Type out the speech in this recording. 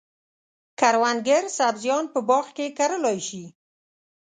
کروندګر سبزیان په باغ کې کرلای شي.